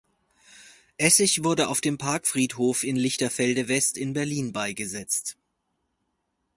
Essig wurde auf dem Parkfriedhof in Lichterfelde-West in Berlin beigesetzt.